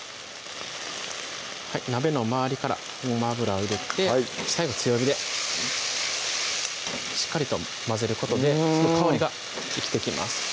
鍋の周りからごま油を入れて最後強火でしっかりと混ぜることで香りが生きてきます